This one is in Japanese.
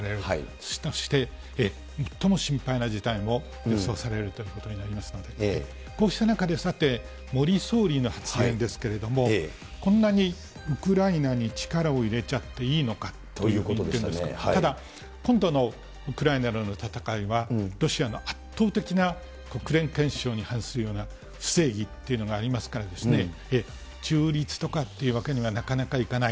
そして、最も心配な事態も予想されるということになりますので、こうした中で、さて、森総理の発言ですけれども、こんなにウクライナに力を入れちゃっていいのかということを言ってるんですけれども、ただ、今度のウクライナの戦いは、ロシアの圧倒的な国連憲章に反するような不正義っていうのがありますから、中立とかっていうわけにはなかなかいかない。